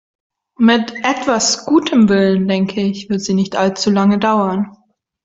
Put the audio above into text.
Mit etwas gutem Willen, denke ich, wird sie nicht allzu lange dauern.